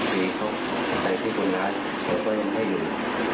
ทีเขาใส่ที่บนร้านเขาก็ยังให้อยู่